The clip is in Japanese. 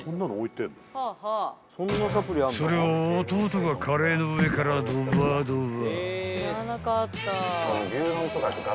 ［それを弟がカレーの上からドバドバ］